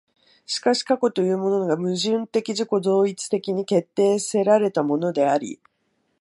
しかし過去というものが矛盾的自己同一的に決定せられたものであり、